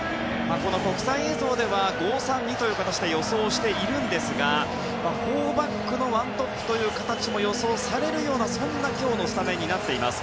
この国際映像では５−３−２を予想しているんですが４バックの１トップという形も予想されるような今日のスタメンです。